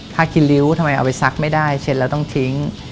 กินริ้วทำไมเอาไปซักไม่ได้เช็ดแล้วต้องทิ้ง